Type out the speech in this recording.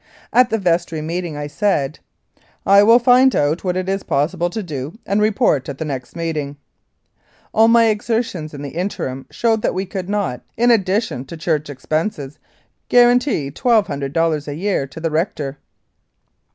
At the vestry meeting I said : "I will find out what it is possible to do and report at the next meeting." All my exertions in the interim showed that we could not, in addition to church expenses, guarantee 1,200 dollars a year to the rector.